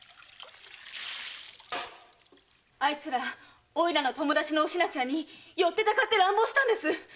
あいつらおいらの友達のお品ちゃんに寄ってたかって乱暴したんです。